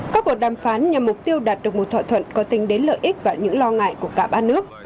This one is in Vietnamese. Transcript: các cuộc đàm phán nhằm mục tiêu đạt được một thỏa thuận có tính đến lợi ích và những lo ngại của cả ba nước